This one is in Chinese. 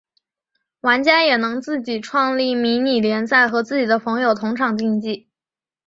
玩家也能自己创立迷你联赛和自己的朋友同场竞技。